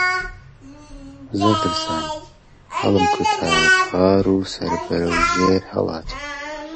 زۆر ترسام، هەڵمکوتا غار و سەربەرەژێر هەڵاتم